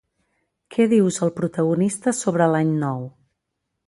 Què dius el protagonista sobre l'any nou?